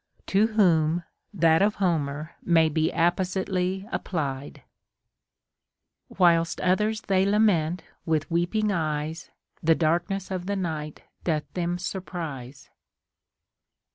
To whom that of Homer may be appositely applied :— Whilst others they lament with weeping eyes, The darkness of the night doth them surprise.